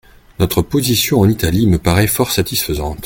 Notre position en Italie me paraît fort satisfaisante.